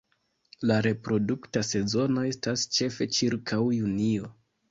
La reprodukta sezono estas ĉefe ĉirkaŭ junio.